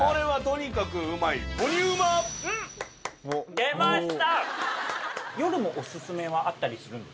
出ました。